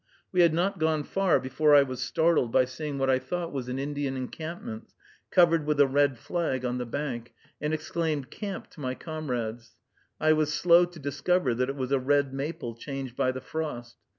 We had not gone far before I was startled by seeing what I thought was an Indian encampment, covered with a red flag, on the bank, and exclaimed, "Camp!" to my comrades. I was slow to discover that it was a red maple changed by the frost.